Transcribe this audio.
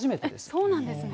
山形ね、そうなんですね。